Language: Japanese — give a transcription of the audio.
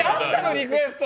リクエスト。